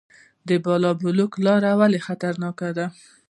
بالابلوک لاره ولې خطرناکه ده؟